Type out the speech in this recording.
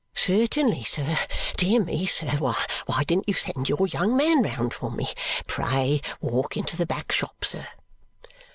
"Certainly, sir! Dear me, sir, why didn't you send your young man round for me? Pray walk into the back shop, sir."